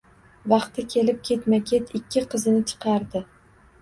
Vaqti kelib ketma-ket ikki qizini chiqardi.